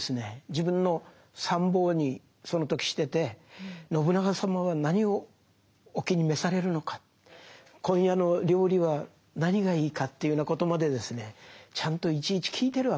自分の参謀にその時してて信長様は何をお気に召されるのか今夜の料理は何がいいかというようなことまでちゃんといちいち聞いてるわけですね。